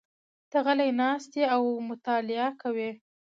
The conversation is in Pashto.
ته غلی ناست یې او مطالعه کوې.